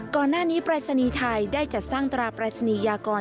ก่อนหน้านี้ปรายศนีย์ไทยได้จัดสร้างตราปรายศนียากร